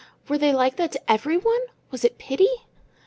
Were they like that to everyone? Was it pity?